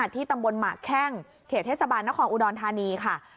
ที่ตำบลหมากแข้งเขตเทศบาลนครอุดรธานีค่ะ